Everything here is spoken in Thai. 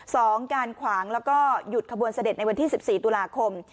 สองการขวางแล้วก็หยุดขบวนเสด็จในวันที่๑๔ตุลาคม